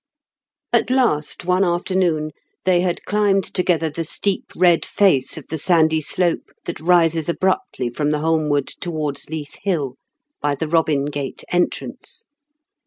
At last one afternoon they had climbed together the steep red face of the sandy slope that rises abruptly from the Holmwood towards Leith Hill, by the Robin Gate entrance.